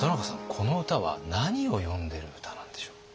この歌は何を詠んでる歌なんでしょう？